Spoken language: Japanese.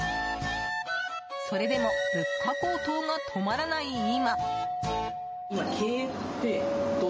それでも物価高騰が止まらない今。